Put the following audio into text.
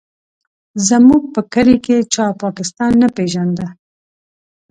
زموږ په کلي کې چا پاکستان نه پېژانده.